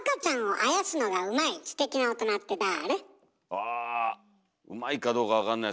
あうまいかどうかわかんないですけど